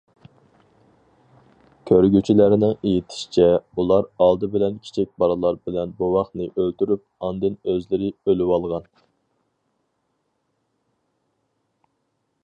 كۆرگۈچىلەرنىڭ ئېيتىشىچە، ئۇلار ئالدى بىلەن كىچىك بالىلار بىلەن بوۋاقنى ئۆلتۈرۈپ، ئاندىن ئۆزلىرى ئۆلۈۋالغان.